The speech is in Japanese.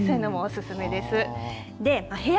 そういうのもおすすめです。